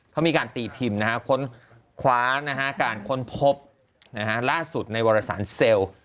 เขามีการตีพิมพ์ค้นคว้าการค้นพบล่าสุดในวรสารเซลล์